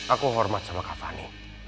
aku hormat sama kak fanny